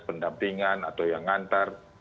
pendampingan atau yang ngantar